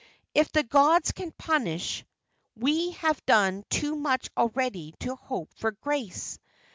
"If the gods can punish, we have done too much already to hope for grace.